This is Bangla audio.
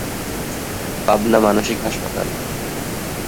পাবনা মানসিক হাসপাতাল